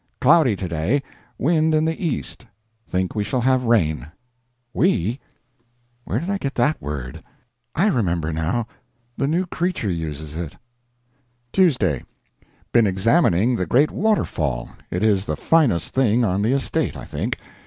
Cloudy today, wind in the east; think we shall have rain.... We? Where did I get that word the new creature uses it. TUESDAY. Been examining the great waterfall. It is the finest thing on the estate, I think.